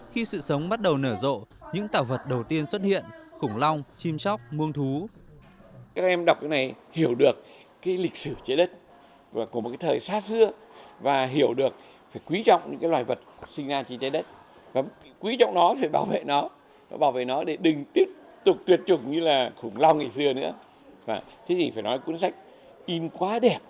khi sự sống bắt đầu nở rộ những tạo vật đầu tiên xuất hiện khủng long chim chóc muông thú